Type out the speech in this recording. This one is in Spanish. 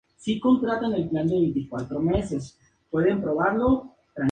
Esto la hace una especie cosmopolita.